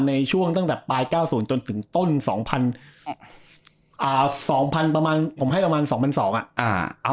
ในช่วงตั้งแต่ปลาย๙๐จนถึงต้น๒๐๐๐ประมาณ๒๒๐๐อ่ะ